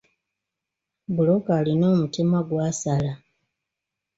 Bbulooka alina omutemwa gw'asala.